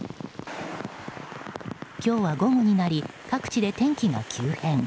今日は午後になり各地で天気が急変。